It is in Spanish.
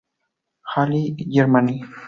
Halle, Germany.